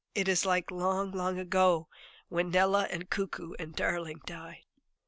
It is like long, long ago, when Nella and Cuckoo and Darling died.